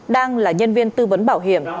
đang là nhân viên tư vấn bảo hiểm